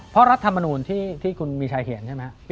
เพราะรัฐมนูลที่คุณมีชัยเขียนใช่ไหม